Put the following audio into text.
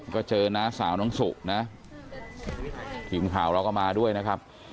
ก็เจอน้าสาวน้องสุนะทีมข่าวเราก็มาด้วยนะครับ